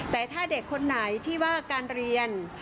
แต่ถ้าเด็กคนไหนที่ว่าการเรียน